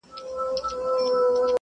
وایي تم سه خاطرې دي راته وایي ,